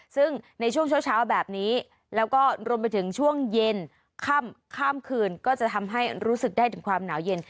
ซึ่งในช่วงเช้าแบบนี้แล้วก็รวมไปถึงช่วงเย็นค่ำคืนก็จะทำให้รู้สึกได้ถึงความหนาวเย็น